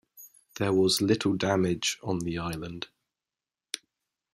There was little damage on the island.